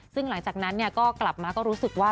ซึ่งหลังจากนั้นก็กลับมาก็รู้สึกว่า